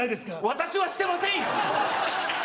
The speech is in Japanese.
私はしてませんよ